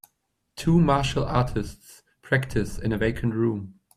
Two martial artists practice in a vacant room.